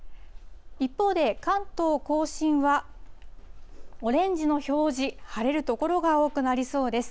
一方で、関東甲信はオレンジの表示、晴れる所が多くなりそうです。